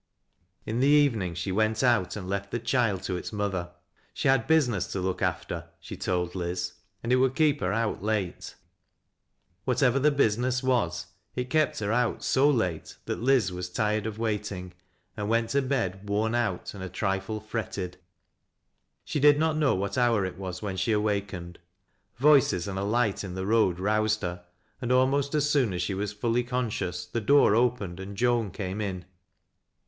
In the evening she went out and left the child to its mother. She had business to look after, she told Liz, and it would keep her out late. "Whatever the business was it kept her out so late that Liz was tired of waiting, and went to bed worn out and a trifle fretted. She did not know what hour it was when she awakened; foices and a light in the road, roused her, and almost as soon as she was fully conscious, the door opened and Joan came in.